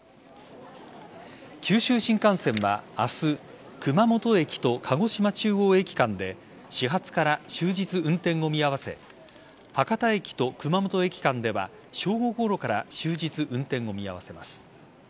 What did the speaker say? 九州新幹線は明日熊本駅と鹿児島中央駅間で始発から終日、運転を見合わせ博多駅と熊本駅間では正午ごろから終日、運転を見合わせます。